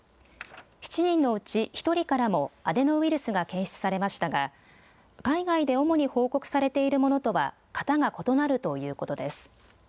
７人のうち１人からもアデノウイルスが検出されましたが海外で主に報告されているものとは型が異なるということです。